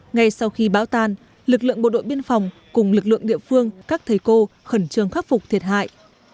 ngay sau khi bão tan lực lượng bộ đội biên phòng cùng lực lượng địa phương các thầy cô khẩn trương khắc phục thiệt hại